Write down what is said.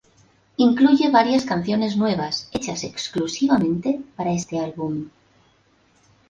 Incluye varias canciones nuevas hechas exclusivamente para este álbum.